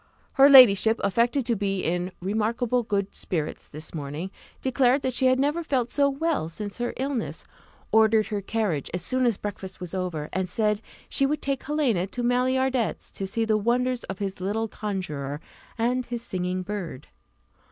Her ladyship affected to be in "remarkable good spirits this morning," declared that she had never felt so well since her illness, ordered her carriage as soon as breakfast was over, and said she would take Helena to Maillardet's, to see the wonders of his little conjuror and his singing bird.